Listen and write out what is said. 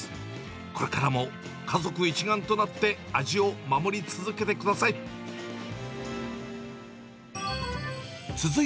これからも家族一丸となって味を守り続けてください。